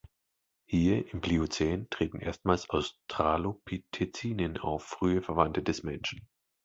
Hier, im Pliozän, treten erstmals Australopithecinen auf, frühe Verwandte des Menschen.